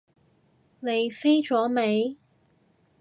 你飛咗未？